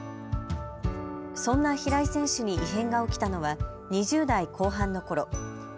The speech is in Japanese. そんな平井選手に異変が起きたのは、２０代後半のころ。